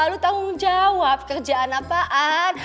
lalu tanggung jawab kerjaan apaan